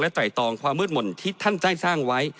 ไตรตองความมืดหม่นที่ท่านได้สร้างไว้